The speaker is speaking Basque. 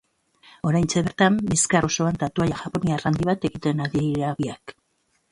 Oraintxe bertan, bizkar osoan tatuaia japoniar handi bat egiten ari dira biak.